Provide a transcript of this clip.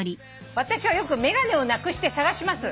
「私はよく眼鏡をなくして捜します」